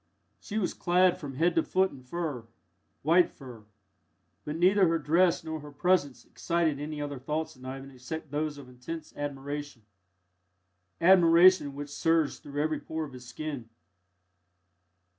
She was clad from head to foot in fur white fur but neither her dress nor her presence excited any other thoughts in Ivan except those of intense admiration admiration which surged through every pore of his skin.